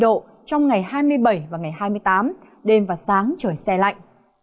trời chiều không quá ba mươi độ trong ngày hai mươi bảy và ngày hai mươi tám đêm và sáng trời xe lạnh